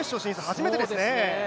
初めてですね。